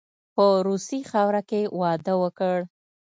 په روسي خاوره کې واده وکړ.